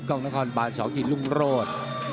กล้องนครบาน๒อินรุ่งโรธ